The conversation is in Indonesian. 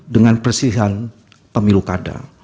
dengan persihan pemilu kada